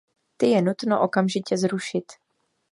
Ty je nutno okamžitě zrušit.